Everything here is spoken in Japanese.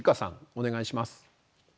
お願いします。